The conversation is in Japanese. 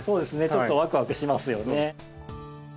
ちょっとワクワクしますよね。